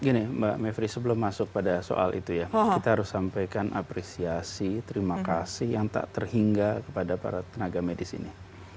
gini mbak mevri sebelum masuk pada soal itu ya kita harus sampaikan apresiasi terima kasih yang tak terhingga kepada para tenaga medis ini